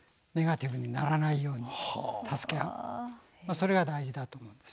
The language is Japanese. それが大事だと思うんです。